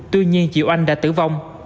tuy nhiên chị oanh đã tử vong